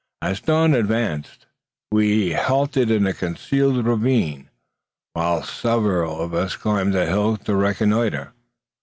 As dawn advanced, we halted in a concealed ravine, whilst several of us climbed the hill to reconnoitre.